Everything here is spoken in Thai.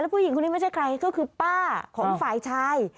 ผู้หญิงคนนี้ไม่ใช่ใครก็คือป้าของฝ่ายชาย